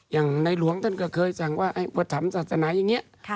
อย่างในหลวงท่านก็เคยสั่งว่าอุปถัมภ์ศาสนาอย่างนี้